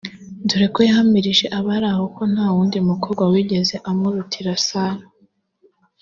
dore ko yahamirije abari aho ko nta wundi mukobwa wigeze amurutira Sarah